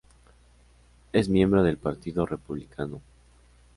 Es miembro del Partido Republicano.